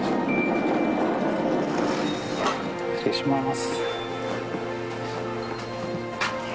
失礼します。